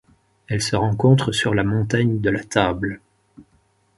Elle se rencontre sur la montagne de la Table.